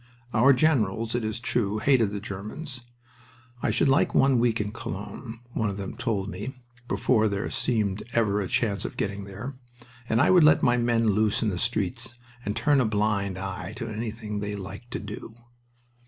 Our generals, it is true, hated the Germans. "I should like one week in Cologne," one of them told me, before there seemed ever a chance of getting there, "and I would let my men loose in the streets and turn a blind eye to anything they liked to do."